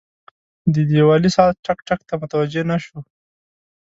د دیوالي ساعت ټک، ټک ته متوجه نه شو.